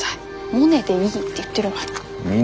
モネでいいって言ってるのに。